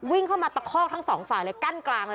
วิ่งเข้ามาตะคอกทั้งสองฝ่ายเลยกั้นกลางเลย